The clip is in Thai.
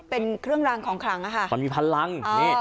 เป็นเครื่องรางของครังมีพลัง